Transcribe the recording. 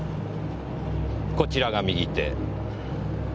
こちらが右手。